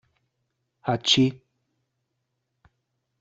Hatschi!